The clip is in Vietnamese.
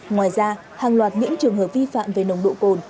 ngoài ra hàng loạt những trường hợp vi phạm về nồng độ cồn